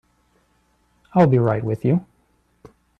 I'll be right with you.